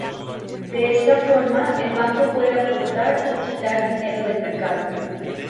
De esta forma, el banco puede aportar o quitar dinero del mercado.